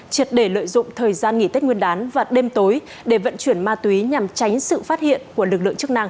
triệt để lợi dụng thời gian nghỉ tết nguyên đán và đêm tối để vận chuyển ma túy nhằm tránh sự phát hiện của lực lượng chức năng